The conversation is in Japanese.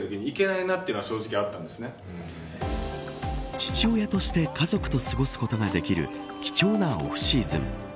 父親として家族と過ごすことができる貴重なオフシーズン。